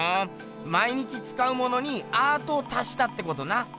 毎日つかうものにアートを足したってことな。